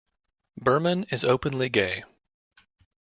Berman is openly gay.